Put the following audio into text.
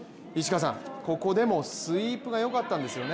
ここでもスイープがよかったんですよね。